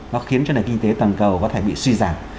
nó khiến cho nền kinh tế toàn cầu có thể bị suy giảm